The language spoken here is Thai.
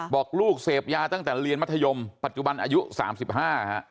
บอกลูกเสพยาตั้งแต่เรียนมัธยมปัจจุบันอายุ๓๕ฮะ